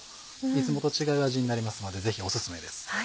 いつもと違う味になりますのでぜひお薦めです。